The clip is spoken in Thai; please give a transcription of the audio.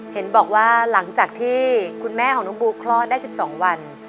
เห็นบอกว่าหลังจากที่คุณแม่ของน้องปูคลอดได้๑๒วัน